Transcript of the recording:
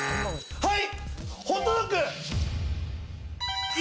はい！